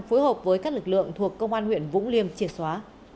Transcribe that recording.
phối hợp với các lực lượng thuộc công an huyện vũng liêm triệt xóa